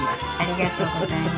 ありがとうございます。